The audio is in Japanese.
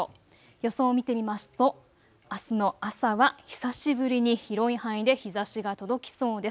予想を見てみますとあすの朝は久しぶりに広い範囲で日ざしが届きそうです。